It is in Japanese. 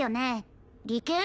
理系？